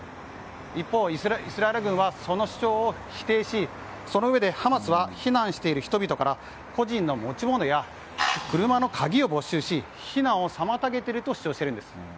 一方、イスラエル軍はその主張を否定しその上で、ハマスは避難している人々から個人の持ち物や車の鍵を没収し避難を妨げていると主張するんです。